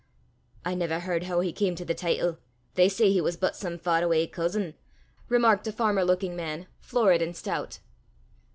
"I never h'ard hoo he cam to the teetle: they say he was but some far awa' cousin!" remarked a farmer looking man, florid and stout.